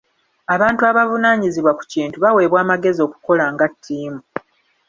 Abantu abavunaanyizibwa ku kintu baweebwa amagezi okukola nga ttiimu.